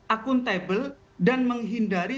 akuntabel dan menghindari